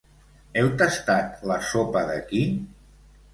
Heu tastat la sopa d'aquí?